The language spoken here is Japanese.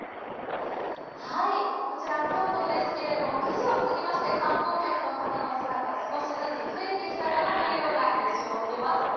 こちら、京都ですけれども、９時を過ぎまして、観光客の方の姿、少しずつ増えてきたかなという印象を受けます。